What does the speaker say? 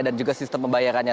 dan juga sistem pembayarannya